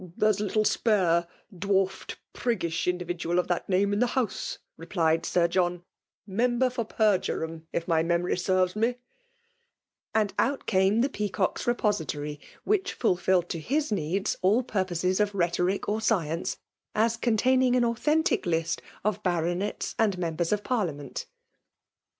'' There is a little spare« dwarfed^ jMnggish ilddividual of thai name in the House/* replied Sk Jobui "member for Peijuieham^ if my laemory serves me ;" and out came the Pea^ cock*s Repository, which fiilfilled to hie needd all purposes of rhetoric or science, as contain* ing an authentic list of baronets and members of piadiament.